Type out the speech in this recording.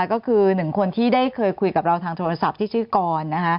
ก็คือหนึ่งคนที่ได้เคยคุยกับเราทางโทรศัพท์ที่ชื่อกร